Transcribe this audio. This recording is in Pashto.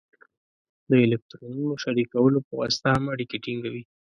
د الکترونونو شریکولو په واسطه هم اړیکې ټینګوي.